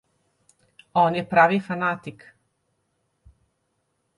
On je pravi fanatik.